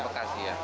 barang bekas ya